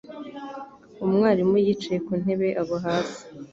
Umwarimu yicaye ku ntebe agwa hasi